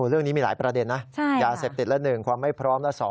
เรื่องนี้มีหลายประเด็นนะยาเสพติดละ๑ความไม่พร้อมละ๒